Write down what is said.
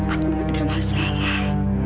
aku gak ada masalah